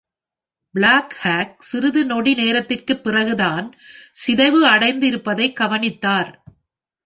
Black hawk, சிறிது நொடி நேரத்திற்கு பிறகு தான் சிதைவு அடைந்து இருப்பதை கவனித்தார்.